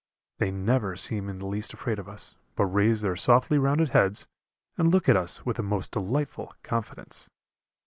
They never seem in the least afraid of us, but raise their softly rounded heads and look at us with a most delightful confidence.